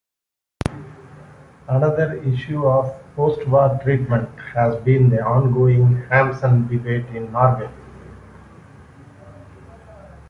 Another issue of post-war treatment has been the ongoing Hamsun debate in Norway.